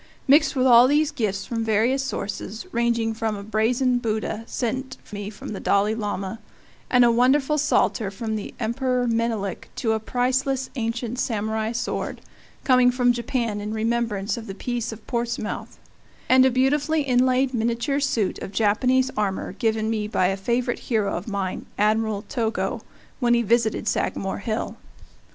Mixed with all of these are gifts from varied sources, ranging from a brazen Buddha sent me by the Dalai Lama and a wonderful psalter from the Emperor Menelik to a priceless ancient Samurai sword, coming from Japan in remembrance of the peace of Portsmouth, and a beautifully inlaid miniature suit of Japanese armor, given me by a favorite hero of mine, Admiral Togo, when he visited Sagamore Hill.